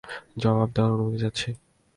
জবাব দেওয়ার অনুমতি চাচ্ছি।